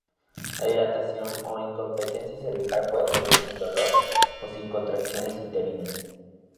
La dilatación o incompetencia cervical puede ocurrir sin dolor o sin contracciones uterinas.